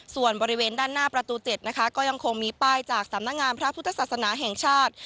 ส่วนบริเวณด้านหน้าประตู๗นะคะก็ยังคงมีป้ายจากสำนักงานพระพุทธศาสนาแห่งชาติ